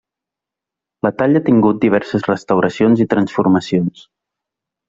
La talla ha tingut diverses restauracions i transformacions.